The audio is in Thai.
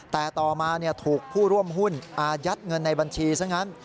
แต่ต่อมาถูกผู้ร่วมหุ้นอายัดเงินในบัญชีซะงั้น